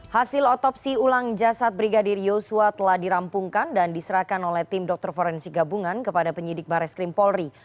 hasil otopsi ulang jasad brigadir yosua telah dirampungkan dan diserahkan oleh tim dokter forensik gabungan kepada penyidik barreskrim polri